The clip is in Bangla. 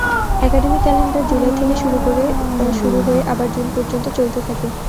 একাডেমিক ক্যালেন্ডার জুলাই থেকে শুরু হয়ে আবার জুন পর্যন্ত চলতে থাকে।